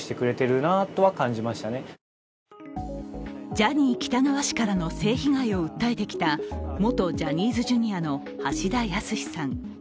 ジャニー喜多川氏からの性被害を訴えてきた元ジャニーズＪｒ．の橋田康さん。